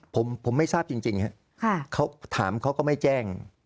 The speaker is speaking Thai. ผมไม่ทราบจริงครับเขาถามเขาก็ไม่แจ้ง